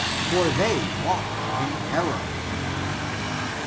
For they walk in error."